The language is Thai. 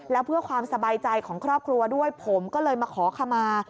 แล้วเพื่อความสบายใจของครอบครัวด้วยผมก็เลยมาขอขมา